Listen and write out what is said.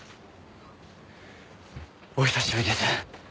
お久しぶりです